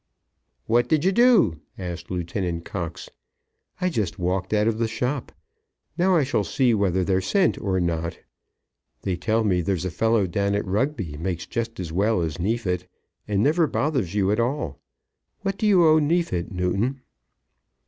"What did you do?" asked Lieutenant Cox. "I just walked out of the shop. Now I shall see whether they're sent or not. They tell me there's a fellow down at Rugby makes just as well as Neefit, and never bothers you at all. What do you owe Neefit, Newton?"